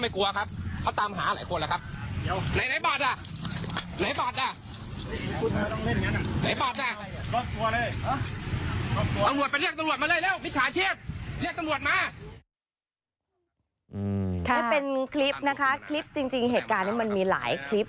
นี่เป็นคลิปนะคะคลิปจริงเหตุการณ์นี้มันมีหลายคลิป